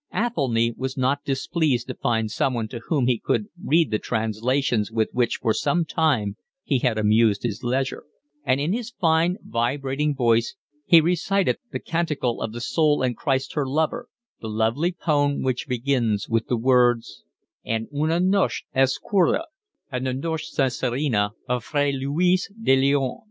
Athelny was not displeased to find someone to whom he could read the translations with which for some time he had amused his leisure; and in his fine, vibrating voice he recited the canticle of the Soul and Christ her lover, the lovely poem which begins with the words en una noche oscura, and the noche serena of Fray Luis de Leon.